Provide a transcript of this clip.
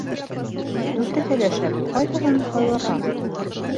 Дүртеһе лә шәп, ҡайһыһын һайларға?